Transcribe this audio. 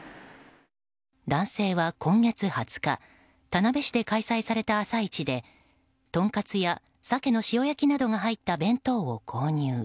男性は今月２０日田辺市で開催された朝市でとんかつや鮭の塩焼きなどが入った弁当を購入。